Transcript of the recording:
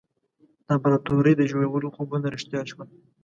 د امپراطوري د جوړولو خوبونه رښتیا شول.